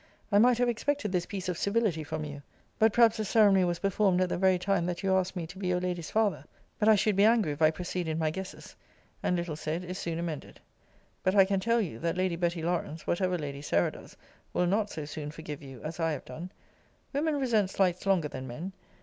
I might have expected this piece of civility from you. But perhaps the ceremony was performed at the very time that you asked me to be your lady's father but I should be angry if I proceed in my guesses and little said is soon amended. But I can tell you, that Lady Betty Lawrance, whatever Lady Sarah does, will not so soon forgive you, as I have done. Women resent slights longer than men.